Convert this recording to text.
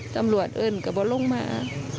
ตำรวจเอิ้นกระบวนลงมา